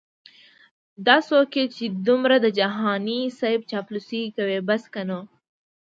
دا څوک یې چې دمره د جهانې صیب چاپلوسې کوي بس که نو